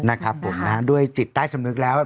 นะครับผมนะฮะด้วยจิตใต้สำนึกแล้ว